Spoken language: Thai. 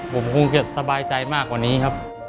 ผมคงจะสบายใจมากกว่านี้ครับ